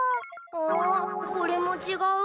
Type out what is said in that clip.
あこれもちがう？